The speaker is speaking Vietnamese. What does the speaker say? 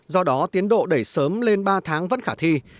do đó tiến độ đẩy sớm lên ba tháng vẫn khả thi